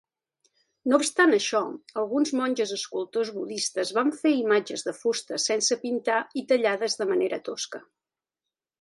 No obstant això, alguns monges escultors budistes van fer imatges de fusta sense pintar i tallades de manera tosca.